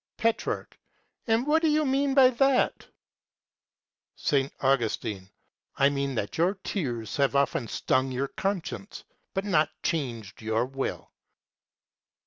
Petrarch. And what do you mean by that? S. Augustine. I mean that your tears have often stung your conscience but not changed your will.